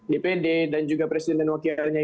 dpd dan juga presiden dan wakilnya